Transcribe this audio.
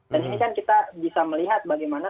dan ini kan kita bisa melihat bagaimana